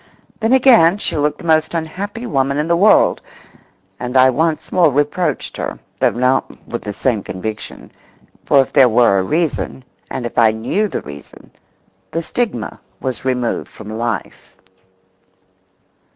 Then again she looked the most unhappy woman in the world, and I once more reproached her, though not with the same conviction, for if there were a reason, and if I knew the reason, the stigma was removed from life.